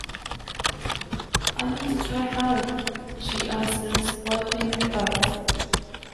"I mean to try hard," she answers, wiping her eyes.